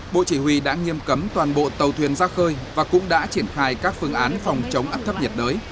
bộ chỉ huy đã nghiêm cấm toàn bộ tàu thuyền ra khơi và cũng đã triển khai các phương án phòng chống áp thấp nhiệt đới